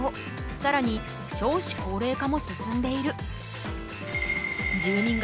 さらに少子高齢化も進んでいる。